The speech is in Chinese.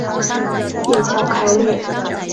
叶鞘开裂。